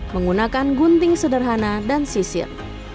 menggunakan gunting sederhana dan sisir